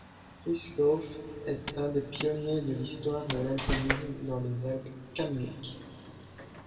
Frischauf est un des pionniers de l'histoire de l'alpinisme dans les Alpes kamniques.